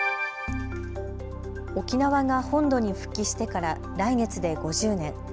沖縄が本土に復帰してから来月で５０年。